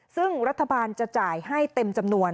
ซึ่งรัฐบาลจะจ่ายให้เต็มจำนวน